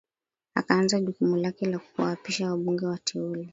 akaanza jukumu lake la kuwaapisha wabunge wateule